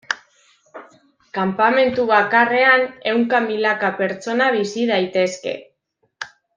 Kanpamentu bakarrean, ehunka milaka pertsona bizi daitezke.